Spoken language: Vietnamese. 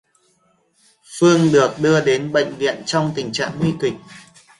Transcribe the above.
Phương được đưa đến bệnh viện trong tình trạng nguy kịch